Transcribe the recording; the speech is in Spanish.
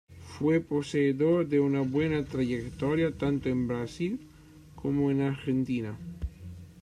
Fue poseedor de una buena trayectoria tanto en Brasil como en Argentina.